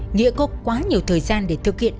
nghĩa có quá nhiều thời gian để thực hiện